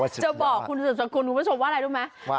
จะบอกคุณศัตรูสวัสดิ์คุณคุณผู้ชมว่าร่ะรู้ไหม